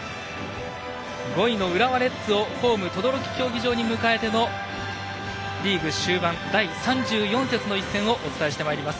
５位の浦和レッズをホーム等々力競技場に迎えてのリーグ終盤、第３４節の１戦をお伝えしてまいります。